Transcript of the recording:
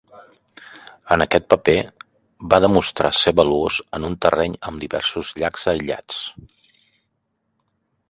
En aquest paper, va demostrar ser valuós en un terreny amb diversos llacs aïllats.